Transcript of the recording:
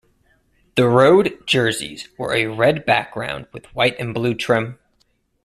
The road jerseys were a red background with white and blue trim.